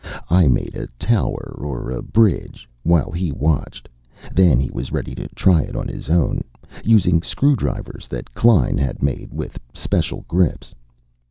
I made a tower or a bridge, while he watched. Then he was ready to try it on his own, using screwdrivers that Klein had made with special grips.